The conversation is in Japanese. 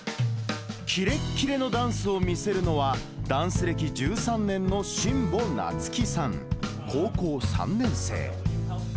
キレッキレのダンスを見せるのは、ダンス歴１３年の新保なつきさん、高校３年生。